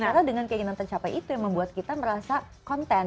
karena dengan keinginan tercapai itu yang membuat kita merasa content